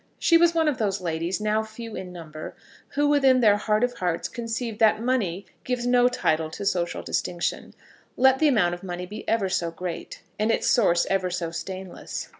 She was one of those ladies, now few in number, who within their heart of hearts conceive that money gives no title to social distinction, let the amount of money be ever so great, and its source ever so stainless.